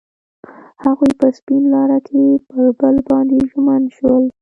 هغوی په سپین لاره کې پر بل باندې ژمن شول.